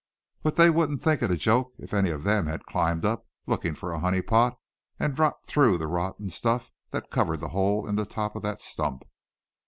But they wouldn't think it a joke if any of them had climbed up, looking for a honey pot, and dropped through the rotten stuff that covered the hole in the top of that stump."